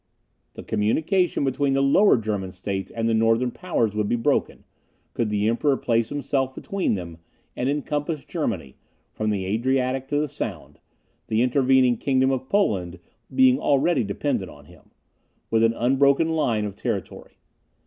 The communication between the Lower German States and the Northern powers would be broken, could the Emperor place himself between them, and encompass Germany, from the Adriatic to the Sound, (the intervening kingdom of Poland being already dependent on him,) with an unbroken line of territory.